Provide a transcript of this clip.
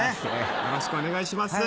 よろしくお願いします。